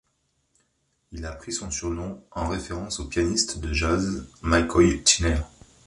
Il a pris son surnom en référence au pianiste de jazz McCoy Tyner.